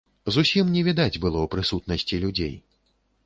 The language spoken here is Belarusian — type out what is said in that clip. Зусім не відаць было прысутнасці людзей.